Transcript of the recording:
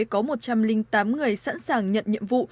có một trăm linh tám người sẵn sàng nhận nhiệm vụ